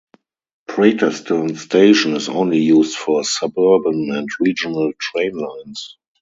Praterstern Station is only used for suburban and regional train lines.